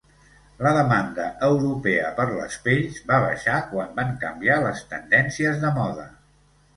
La demanda europea per les pells va baixar quan van canviar les tendències de moda.